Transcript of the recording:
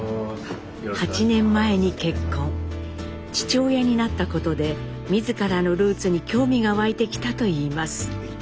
８年前に結婚父親になったことで自らのルーツに興味が湧いてきたといいます。